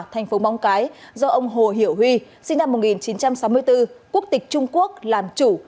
thành phố móng cái do ông hồ hiểu huy sinh năm một nghìn chín trăm sáu mươi bốn quốc tịch trung quốc làm chủ